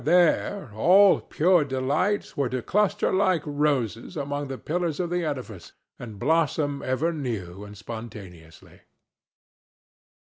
—there all pure delights were to cluster like roses among the pillars of the edifice and blossom ever new and spontaneously.